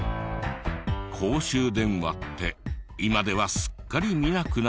公衆電話って今ではすっかり見なくなったけど。